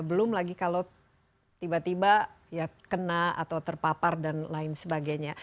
belum lagi kalau tiba tiba ya kena atau terpapar dan lain sebagainya